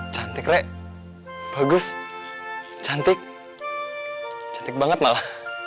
cantik rek bagus cantik banget malah